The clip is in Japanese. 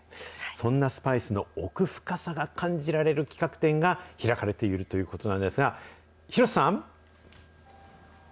そんなスパイスの奥深さが感じられる企画展が開かれているということなんですが、廣さん。